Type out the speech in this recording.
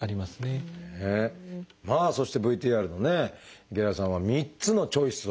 まあそしてＶＴＲの池田さんは３つのチョイスを。